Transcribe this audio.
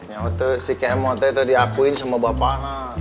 yang itu si kemot itu diakuin sama bapaknya